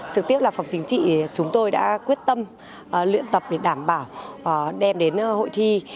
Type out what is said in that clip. trực tiếp là phòng chính trị chúng tôi đã quyết tâm luyện tập để đảm bảo đem đến hội thi